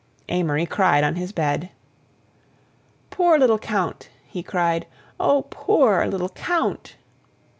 Amory cried on his bed. "Poor little Count," he cried. "Oh, poor little _Count!